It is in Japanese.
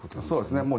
そうですね。